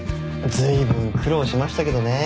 ずいぶん苦労しましたけどね。